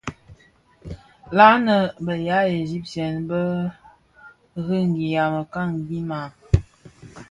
La nnë bë ya Egypten bë rëňgya mekani maa?